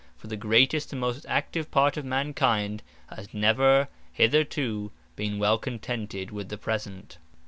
For the greatest and most active part of Mankind, has never hetherto been well contented with the present.